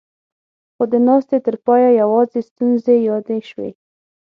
خو د ناستې تر پايه يواځې ستونزې يادې شوې.